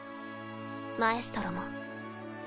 マエストロも。